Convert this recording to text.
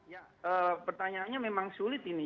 ya pertanyaannya memang sulit ini